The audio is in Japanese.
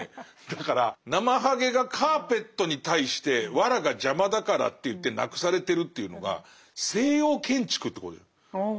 だからナマハゲがカーペットに対して藁が邪魔だからっていってなくされてるっていうのが西洋建築ってことじゃない。